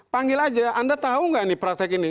panggil aja anda tahu nggak ini praktek ini